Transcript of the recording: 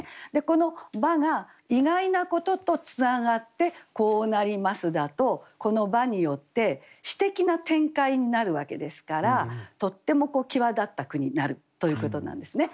この「ば」が意外なこととつながってこうなりますだとこの「ば」によって詩的な展開になるわけですからとっても際立った句になるということなんですね。